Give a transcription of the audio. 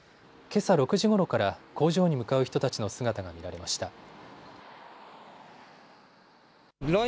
けさ６時ごろから工場に向かう人たちの姿が見られました。